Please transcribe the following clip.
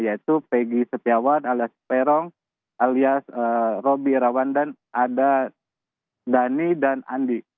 yaitu pegi setiawan alias peron alias roby rawandan ada dhani dan andi